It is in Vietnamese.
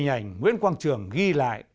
hình ảnh nguyễn quang trường ghi lại